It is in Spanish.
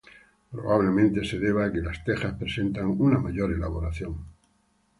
Probablemente se deba a que las tejas presentan una mayor elaboración.